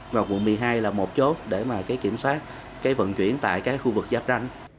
và quận một mươi hai là một chốt để mà cái kiểm soát cái vận chuyển tại cái khu vực giáp ranh